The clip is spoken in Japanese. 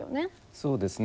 そうですね。